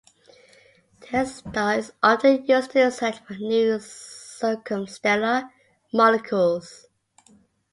This star is often used to search for new circumstellar molecules.